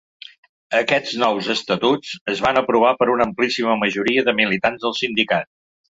Aquests nous estatuts es van aprovar per una amplíssima majoria de militants del sindicat.